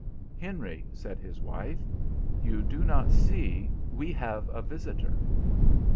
"Henry," said his wife, "you do not see we have a visitor."